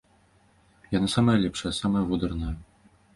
Яна самая лепшая, самая водарная.